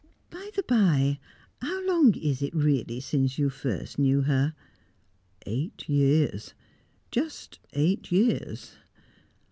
"By the bye, how long is it really since you first knew her?" "Eight years just eight years."